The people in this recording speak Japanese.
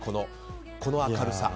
この明るさ。